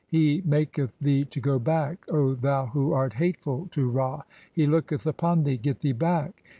He maketh "thee to go back, O thou who art hateful to Ra ; he looketh "upon thee, (12) get thee back!